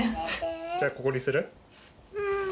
じゃあここにする？